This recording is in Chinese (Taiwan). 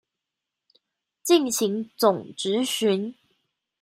進行總質詢